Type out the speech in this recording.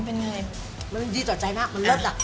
เป็นไงดีต่อใจมาก